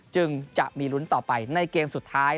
จึงจะมีลุ้นต่อไปในเกมสุดท้าย